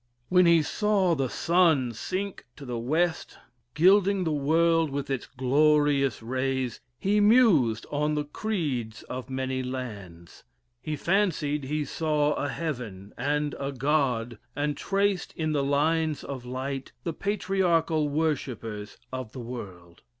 When he saw the sun sink to the west, gilding the world with its glorious rays, he mused on the creeds of many lands. He fancied he saw a heaven and a God, and traced in the lines of light the patriarchal worshippers of the world.